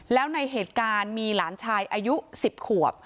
แล้วในเหตุการณ์มีหลานชายอายุ๑๐ขวบ